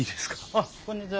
あっこんにちは。